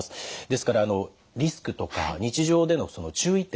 ですからリスクとか日常での注意点